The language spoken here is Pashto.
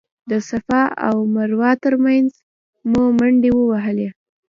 د صفا او مروه تر مینځ مو منډې ووهلې.